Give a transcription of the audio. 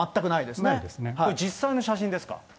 実際の写真ですか？